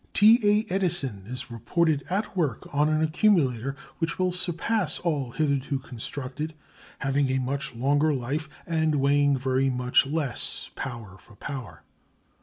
T. A. Edison is reported at work on an accumulator which will surpass all hitherto constructed, having a much longer life, and weighing very much less, power for power.